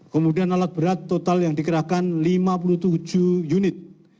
kemudian alat berat total yang dikerahkan lima puluh tujuh unit